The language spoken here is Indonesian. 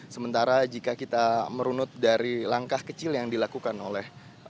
sementara jika kita merunut dari langkah kecil yang dilakukan oleh